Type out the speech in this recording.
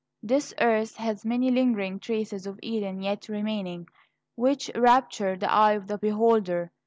This earth has many lingering traces of Eden yet remaining, which enrapture the eye of the beholder.